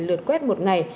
vì việc truyền thông qua